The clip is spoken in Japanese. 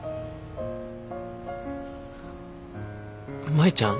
舞ちゃん。